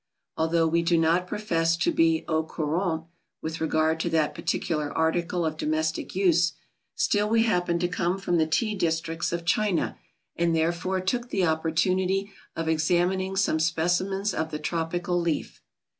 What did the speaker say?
Although we do not profess to be au courant with regard to that particular article of domestic use, still we happen to come from the Tea districts of China, and therefore took the opportunity of examining some specimens of the tropical leaf.